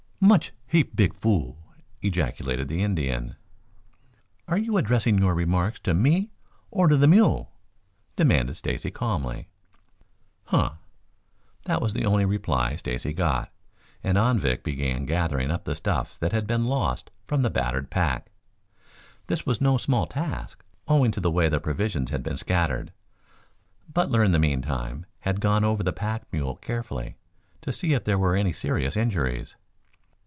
"Much heap big fool!" ejaculated the Indian. "Are you addressing your remarks to me or to the mule?" demanded Stacy calmly. "Huh!" That was the only reply Stacy got, and Anvik began gathering up the stuff that had been lost from the battered pack. This was no small task, owing to the way the provisions had been scattered. Butler, in the meantime, had gone over the pack mule carefully to see if there were any serious injuries.